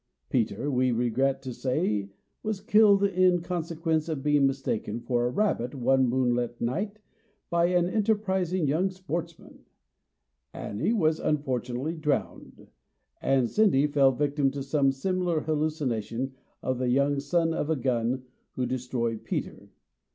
Peter, we regret to say, was killed in consequence of being mistaken for a rabbit, one moonlight night, by an enterprising young sportsman; Annie was unfortunately drowned; and 'Cindy fell victim to some similar hallucination of the young son of a gun who destroyed Peter.